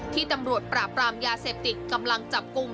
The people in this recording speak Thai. ที่ตำรวจปราบปรามยาเสพติดกำลังจับกลุ่ม